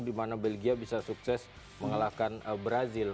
di mana belgia bisa sukses mengalahkan brazil